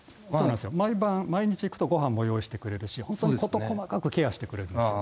毎日行くとごはんも用意してくれるし、事細かくケアしてくれるんですよ。